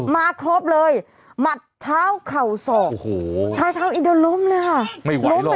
ครบเลยหมัดเท้าเข่าศอกโอ้โหชายชาวอินโดนล้มเลยค่ะไม่ไหวหรอก